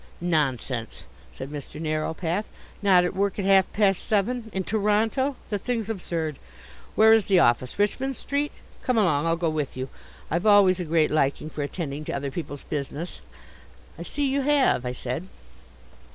"Nonsense!" said Mr. Narrowpath. "Not at work at half past seven! In Toronto! The thing's absurd. Where is the office? Richmond Street? Come along, I'll go with you. I've always a great liking for attending to other people's business." "I see you have," I said.